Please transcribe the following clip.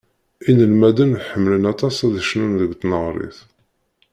Inelmaden ḥemmlen aṭas ad cnun deg tneɣrit.